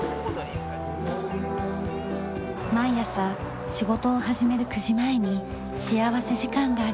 毎朝仕事を始める９時前に幸福時間があります。